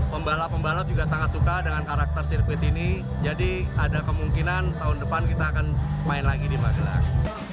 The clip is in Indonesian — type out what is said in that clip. pembalap pembalap juga sangat suka dengan karakter sirkuit ini jadi ada kemungkinan tahun depan kita akan main lagi di magelang